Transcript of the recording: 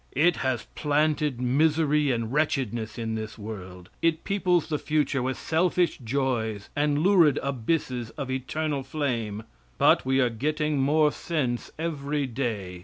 It has planted misery and wretchedness in this world; it peoples the future with selfish joys and lurid abysses of eternal flame. But we are getting more sense every day.